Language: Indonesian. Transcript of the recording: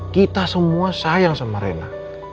kita semua sayang sama rena